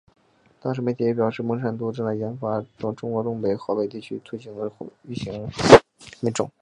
当时媒体也表示孟山都正在研发可在中国东北和华北地区推广的玉米新品种。